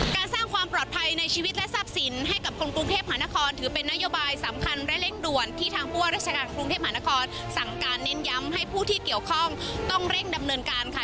การสร้างความปลอดภัยในชีวิตและทรัพย์สินให้กับคนกรุงเทพหานครถือเป็นนโยบายสำคัญและเร่งด่วนที่ทางผู้ว่าราชการกรุงเทพมหานครสั่งการเน้นย้ำให้ผู้ที่เกี่ยวข้องต้องเร่งดำเนินการค่ะ